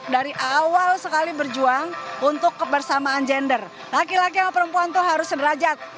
dari awal sekali berjuang untuk kebersamaan gender laki laki sama perempuan tuh harus sederajat